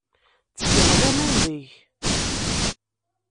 Ttgeɣ laman deg-k.